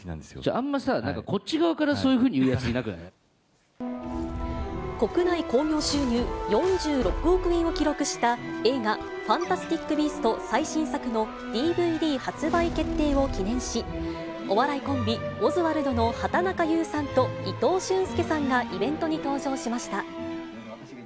あんまさ、こっち側からそう国内興行収入４６億円を記録した映画、ファンタスティック・ビースト最新作のＤＶＤ発売決定を記念し、お笑いコンビ・オズワルドの畠中悠さんと伊藤俊介さんがイベントに登場しました。